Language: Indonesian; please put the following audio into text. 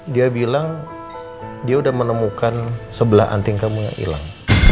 dia bilang dia udah menemukan sebelah anting kamu yang hilang